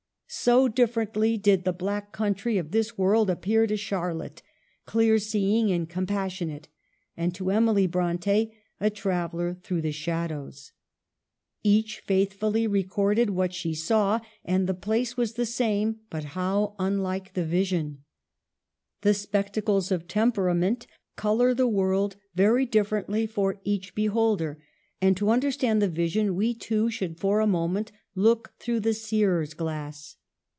So differently did the black country of this world appear to Charlotte, clear seeing and com passionate, and to Emily Bronte, a traveller through the shadows. Each faithfully recorded what she saw, and the place was the same, but how unlike the vision ! The spectacles of tem perament color the world very differently for each beholder ; and, to understand the vision, we too should for a moment look through the seer's glass.